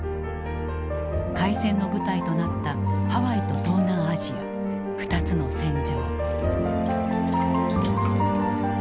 開戦の舞台となったハワイと東南アジア２つの戦場。